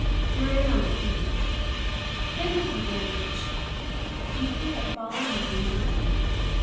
"You're in on the feed." Thank you very much! Weakly I followed my dingy acquaintance.